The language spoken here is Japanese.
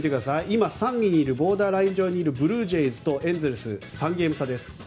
今、３位にいるボーダーライン上にいるブルージェイズとエンゼルス３ゲーム差です。